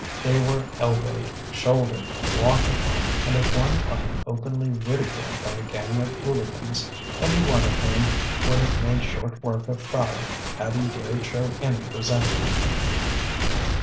They were elbowed, shouldered, walked upon, and at one time openly ridiculed by a gang of hooligans, any one of whom would have made short work of Fowey had he dared show any resentment.